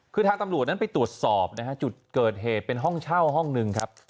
คือทางตำรวจนั้นไปตรวจสอบนะฮะจุดเกิดเหตุเป็นห้องเช่าห้องหนึ่งครับ